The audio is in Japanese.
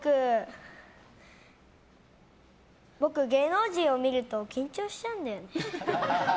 僕、芸能人を見ると緊張しちゃうんだよね。